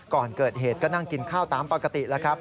ก่อนเกิดเหตุก็นั่งกินข้าวตามปกติแล้วครับ